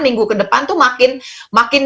minggu ke depan tuh makin